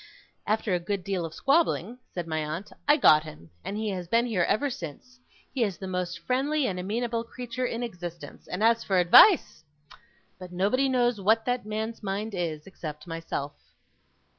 After a good deal of squabbling,' said my aunt, 'I got him; and he has been here ever since. He is the most friendly and amenable creature in existence; and as for advice! But nobody knows what that man's mind is, except myself.